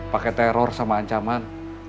pakai teror sama ancaman